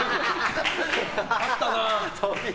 あったな！